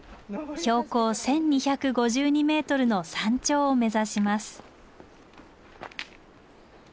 標高１，２５２ｍの山頂を目指します。